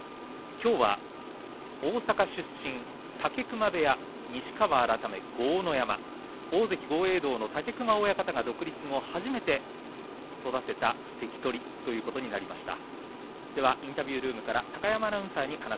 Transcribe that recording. きょうは大阪出身武隈部屋西川改め豪ノ山大関豪栄道の武隈親方が独立後初めて育てた関取ということになりました。